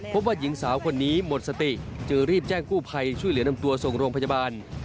พบว่าหญิงสาวคนนี้หมดสติจึงรีบแจ้งกู้ภัยช่วยเหลือนำตัวส่งโรงพยาบาล